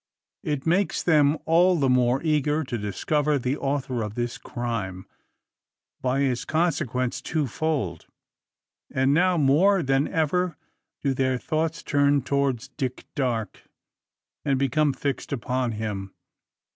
It makes them all the more eager to discover the author of this crime, by its consequence twofold; and now, more than ever, do their thoughts turn towards Dick Darke, and become fixed upon him.